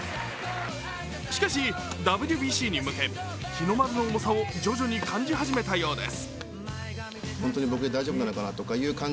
しかし、ＷＢＣに向け日の丸の重さを徐々に感じ始めたようです。